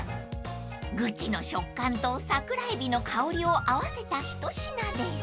［グチの食感と桜えびの香りを合わせた一品です］